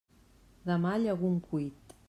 Demà, llegum cuit.